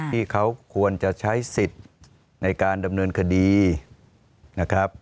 ที่เขาควรจะใช้สิทธิ์ในการดำเนินคดีนะครับ